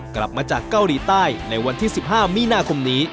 กลับมาจากเกาหลีใต้ในวันที่๑๕มีนาคมนี้